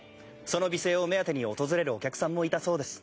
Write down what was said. その美声を目当てに訪れるお客さんもいたそうです。